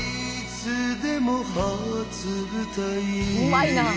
うまいなあ。